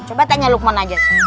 coba tanya lukman aja